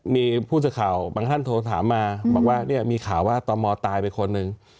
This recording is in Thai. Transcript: มีผู้สื่อข่าวบางท่านโทรถามมาบอกว่าเนี่ยมีข่าวว่าตมตายไปคนหนึ่ง